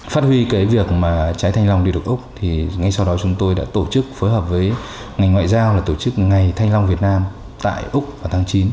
phát huy cái việc mà trái thanh long đi được úc thì ngay sau đó chúng tôi đã tổ chức phối hợp với ngành ngoại giao là tổ chức ngày thanh long việt nam tại úc vào tháng chín